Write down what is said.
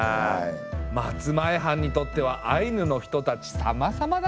松前藩にとってはアイヌの人たちさまさまだね。